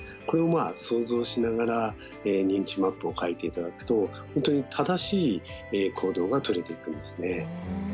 これをまあ想像しながら認知マップを描いて頂くと本当に正しい行動がとれていくんですね。